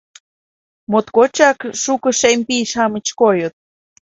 Моткочак шуко шем пий-шамыч койыт.